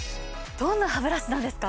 どんなハブラシなんですか？